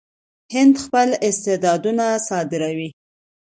هند خپل استعدادونه صادروي.